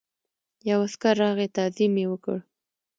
یو عسکر راغی تعظیم یې وکړ.